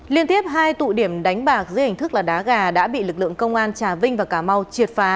liên tiếp hai tụ điểm đánh bạc dưới hình thức là đá gà đã bị lực lượng công an trà vinh và cà mau triệt phá